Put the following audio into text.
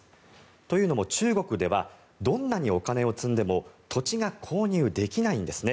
というのも中国ではどんなにお金を積んでも土地が購入できないんですね。